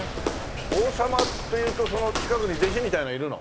王様っていうとその近くに弟子みたいのいるの？